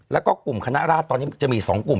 แล้วก็กลุ่มคณะราชตอนนี้จะมี๒กลุ่ม